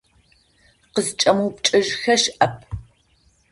Къызкӏэмыупчӏэжьыхэ щыӏэп.